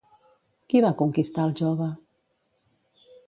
Qui va conquistar al jove?